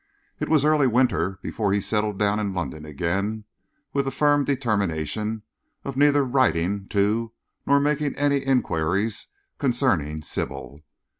It was early winter before he settled down in London again, with the firm determination of neither writing to nor making any enquiries concerning Sybil.